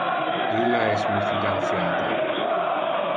Illa es mi fidantiata.